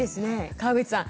川口さん